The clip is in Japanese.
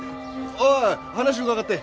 おい話伺って。